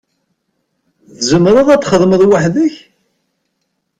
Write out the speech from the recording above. Tzemreḍ ad txedmeḍ weḥd-k?